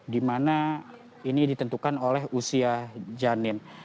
di mana ini ditentukan oleh usia janin